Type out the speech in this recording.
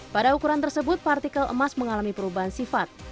pada ukuran tersebut partikel emas mengalami perubahan sifat